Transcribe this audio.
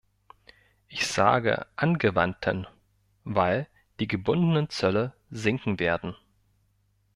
Ich sage "angewandten", weil die gebundenen Zölle sinken werden.